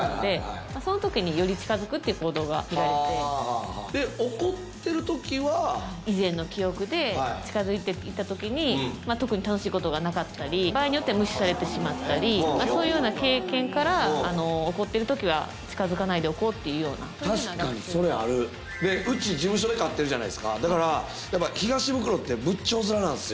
はいはいそのときにより近づくっていう行動が見られてはぁで怒ってるときは以前の記憶で近づいて行ったときにまあ特に楽しいことがなかったり場合によっては無視されてしまったりそのような経験からあの怒ってるときは近づかないでおこうっていうような確かにそれあるでうち事務所で飼ってるじゃないですかだからやっぱ東ブクロって仏頂面なんですよ